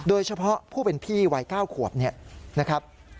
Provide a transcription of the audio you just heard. โดยเฉพาะผู้เป็นพี่วัย๙ขวบเนี่ยนะครับ